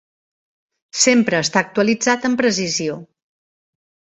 Sempre està actualitzat amb precisió.